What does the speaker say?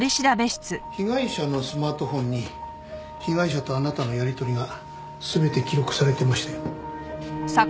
被害者のスマートフォンに被害者とあなたのやりとりが全て記録されてましたよ。